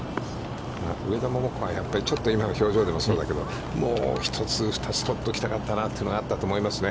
上田桃子は、ちょっと今の表情でもそうだけど、もう１つ、２つ、取っておきたかったというのがあったと思いますね。